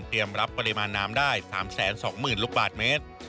รับปริมาณน้ำได้๓๒๐๐๐ลูกบาทเมตร